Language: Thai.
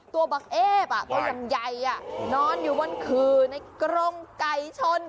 ตัวบักเอ๊บก็ยำใยนอนอยู่บนคืนในกรงไก่ชน